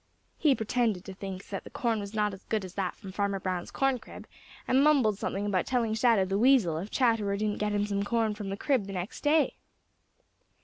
He pretended to think that the corn was not as good as that from Farmer Brown's corn crib and mumbled something about telling Shadow the Weasel if Chatterer didn't get him some corn from the crib the next day.